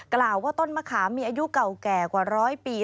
กล่าวว่าต้นมะขามมีอายุเก่าแก่กว่าร้อยปี